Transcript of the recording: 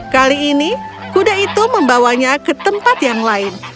kali ini kuda itu membawanya ke tempat yang lain